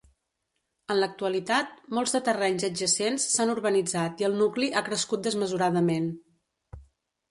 En l'actualitat, molts de terrenys adjacents s'han urbanitzat i el nucli ha crescut desmesuradament.